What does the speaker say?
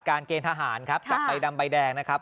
เกณฑ์ทหารครับจับใบดำใบแดงนะครับ